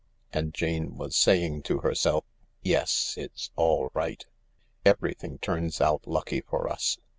And Jane was saying to herself: "Yes — it's all right. Everything turns out lucky for us.